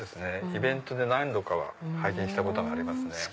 イベントで何度かは拝見したことがあります。